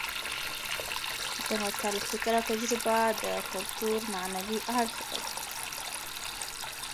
د متل فکر او تجربه د کولتور معنوي اړخ دی